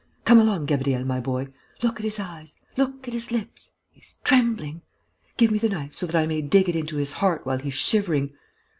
Come along, Gabriel, my boy!... Look at his eyes!... Look at his lips!... He's trembling!... Give me the knife, so that I may dig it into his heart while he's shivering....